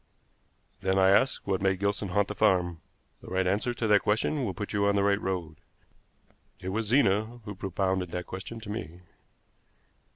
"Then, I ask, what made Gilson haunt the farm? The right answer to that question will put you on the right road. It was Zena who propounded that question to me."